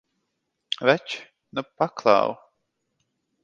Veči, nu paklau!